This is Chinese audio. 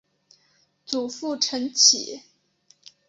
祖父陈启。